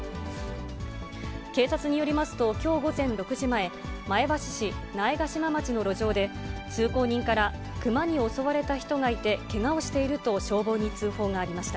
警察によりますと、きょう午前６時前、前橋市苗ヶ島町の路上で、通行人からクマに襲われた人がいてけがをしていると消防に通報がありました。